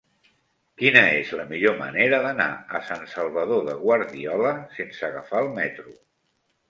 Quina és la millor manera d'anar a Sant Salvador de Guardiola sense agafar el metro?